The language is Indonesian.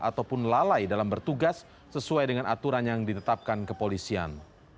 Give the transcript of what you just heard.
ataupun lalai dalam bertugas sesuai dengan aturan yang ditetapkan kepolisian